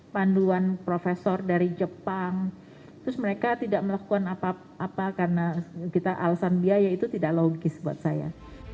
panduan profesor dari jepang terus mereka tidak melakukan apa apa karena kita alasan biaya itu tidak logis buat saya